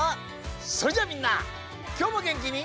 それじゃあみんなきょうもげんきに。